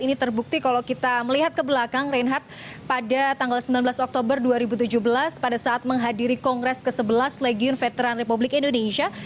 ini terbukti kalau kita melihat ke belakang reinhardt pada tanggal sembilan belas oktober dua ribu tujuh belas pada saat menghadiri kongres ke sebelas legion veteran republik indonesia